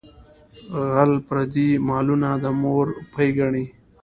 غل پردي مالونه د مور پۍ ګڼي.